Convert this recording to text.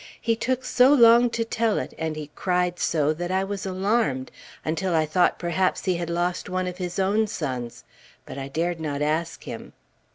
He took so long to tell it, and he cried so, that I was alarmed, until I thought perhaps he had lost one of his own sons; but I dared not ask him.